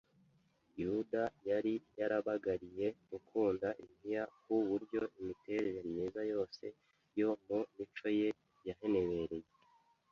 Yuda yari yarabagariye gukunda impiya ku buryo imiterere myiza yose yo mu mico ye yahenebereye